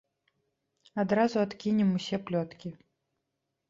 Адразу адкінем усе плёткі.